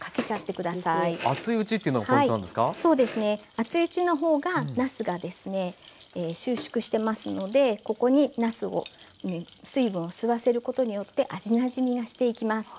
熱いうちのほうがなすが収縮してますのでここになすに水分を吸わせることによって味なじみがしていきます。